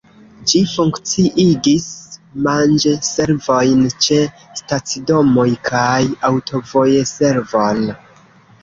Ĝi funkciigis manĝservojn ĉe stacidomoj kaj aŭtovojservon.